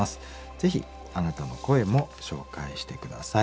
ぜひあなたの声も紹介して下さい。